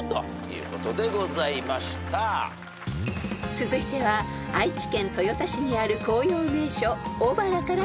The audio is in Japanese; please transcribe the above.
［続いては愛知県豊田市にある紅葉名所小原から出題］